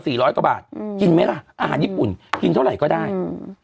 ร้อยกว่าบาทอืมกินไหมล่ะอาหารญี่ปุ่นกินเท่าไหร่ก็ได้อืม